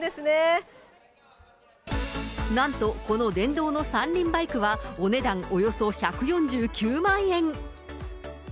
なんと、この電動の三輪バイクはお値段およそ１４９万円。